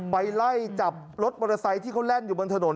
ไปไล่จับรถมอเตอร์ไซค์ที่เขาแล่นอยู่บนถนน